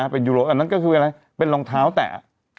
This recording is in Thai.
อันนั้นก็คืออะไรเป็นรองเท้าแต่